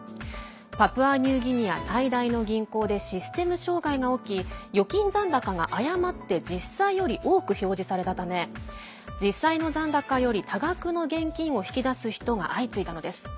パプアニューギニア最大の銀行でシステム障害が起き預金残高が誤って実際より多く表示されたため実際の残高より多額の現金を引き出す人が相次いだのです。